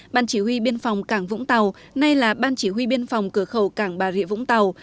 ban chỉ huy biên phòng cảng vũng tàu nay là ban chỉ huy biên phòng cửa khẩu cảng bà rịa vũng tàu